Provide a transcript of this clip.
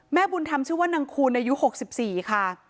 บุญธรรมชื่อว่านางคูณอายุ๖๔ค่ะ